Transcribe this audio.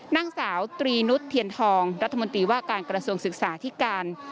นางสาวตรีนุษย์เทียนทองรัฐมนตรีว่าการกระทรวงศึกษาที่การ